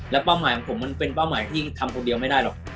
แล้วเป้าหมายของผมมันเป็นเป้าหมายที่ทำคนเดียวไม่ได้หรอก